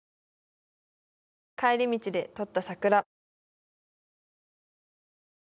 「帰り道で撮った桜」